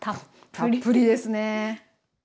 たっぷりですね。